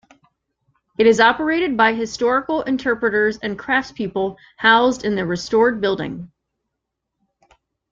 It is operated by historical interpreters and craftspeople housed in the restored buildings.